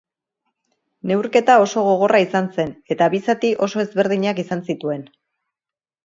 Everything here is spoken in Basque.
Neurketa oso gogorra izan zen eta bi zati oso ezberdinak izan zituen.